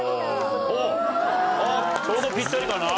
あっちょうどぴったりかな。